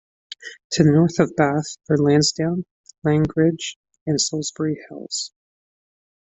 To the north of Bath are Lansdown, Langridge and Solsbury hills.